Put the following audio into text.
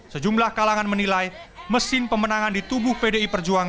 sejumlah kalangan menilai mesin pemenangan di tubuh pdi perjuangan